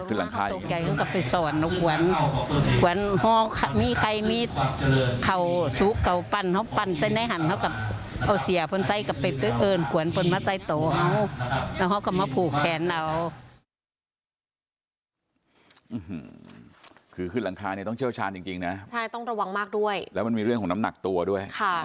คือขึ้นหลังคาเนี่ยต้องเชี่ยวชาญจริงนะใช่ต้องระวังมากด้วยแล้วมันมีเรื่องของน้ำหนักตัวด้วยค่ะ